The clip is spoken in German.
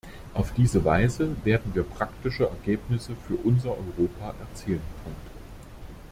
Auf diese Weise werden wir praktische Ergebnisse für unser Europa erzielen.